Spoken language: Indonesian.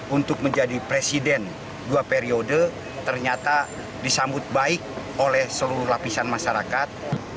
untuk menjadi presiden dua periode ternyata disambut baik oleh seluruh lapisan masyarakat